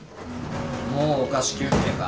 もうお菓子休憩か？